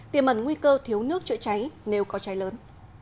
tiềm ẩn nguy cơ thiếu nước chữa cháy nếu có cháy lớn